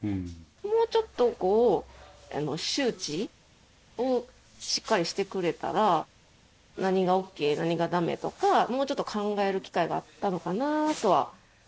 もうちょっと周知をしっかりしてくれたら、何がＯＫ、何がだめとか、もうちょっと考える機会があったのかなとは。